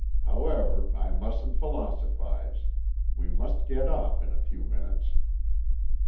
However, I mustn't philosophize. We must get off in a few minutes."